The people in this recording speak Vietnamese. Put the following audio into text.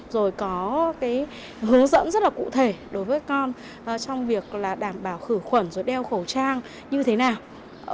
rồi có cái hướng dẫn rất là cụ thể đối với con trong việc là đảm bảo khử khuẩn rồi đeo khẩu trang như thế nào